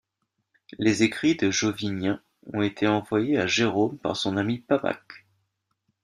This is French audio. Les écrits de Jovinien ont été envoyés à Jérôme par son ami Pammaque.